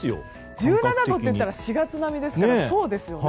１７度といったら４月並みですからそうですよね。